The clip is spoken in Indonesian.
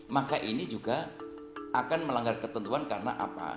maka ini juga akan melanggar ketentuan karena apa